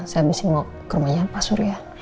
saya habis ini mau ke rumahnya pak surya